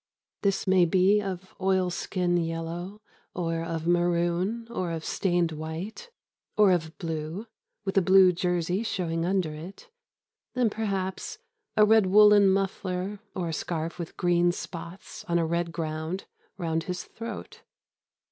This may be of oil skin yellow or of maroon or of stained white or of blue, with a blue jersey showing under it, and, perhaps, a red woollen muffler or a scarf with green spots on a red ground round his throat.